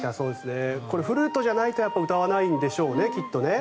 これ、フルートじゃないと歌わないんでしょうね。